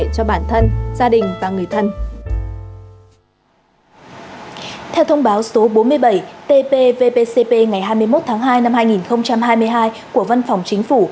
theo thông báo số bốn mươi bảy tppcp ngày hai mươi một tháng hai năm hai nghìn hai mươi hai của văn phòng chính phủ